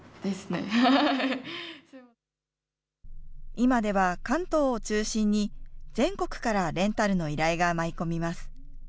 今では関東を中心に全国からレンタルの依頼が舞い込みます。